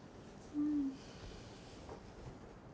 うん！